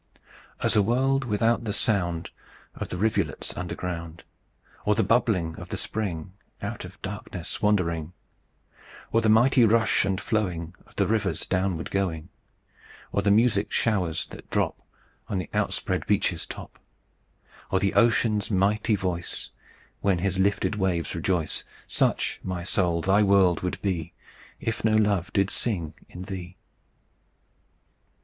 "As a world without the sound Of the rivulets underground; Or the bubbling of the spring Out of darkness wandering; Or the mighty rush and flowing Of the river's downward going; Or the music showers that drop On the outspread beech's top; Or the ocean's mighty voice, When his lifted waves rejoice; Such, my soul, thy world would be, If no love did sing in thee.